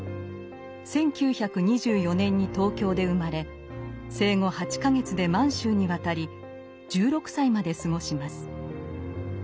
１９２４年に東京で生まれ生後８か月で満州に渡り１６歳まで過ごします。